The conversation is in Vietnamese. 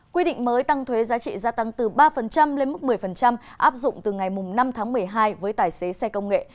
quy định mới tăng thuế giá trị gia tăng từ ba lên mức một mươi áp dụng từ ngày năm tháng một mươi hai với tài xế xe công nghệ